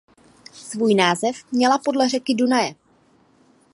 Svůj název měla podle řeky Dunaje.